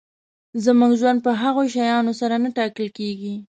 زموږ ژوند په هغو شیانو سره نه ټاکل کېږي.